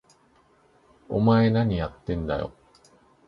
お前、なにやってんだよ！？